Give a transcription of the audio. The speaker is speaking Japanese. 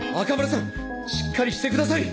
しっかりしてください！